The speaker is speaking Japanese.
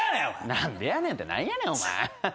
何でやねんって何やねんお前。